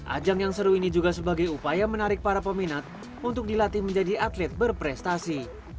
ajang yang seru ini juga sebagai upaya menarik para peminat untuk dilatih menjadi atlet berprestasi